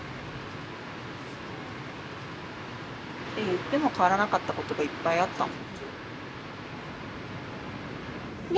言っても変わらなかったことがいっぱいあったの？